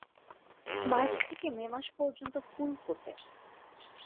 March থেকে May মাস পর্যন্ত ফুল ফোটে।